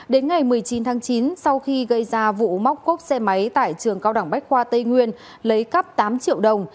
đến ngày một mươi chín tháng chín sau khi gây ra vụ móc cốc xe máy tại trường cao đẳng bách khoa tây nguyên lấy cắp tám triệu đồng